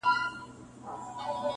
خو نتيجه نه راځي هېڅکله,